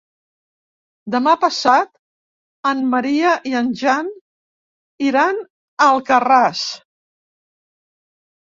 Demà passat en Maria i en Jan iran a Alcarràs.